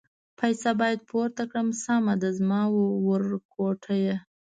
پایڅه باید پورته کړم، سمه ده زما ورکوټیه.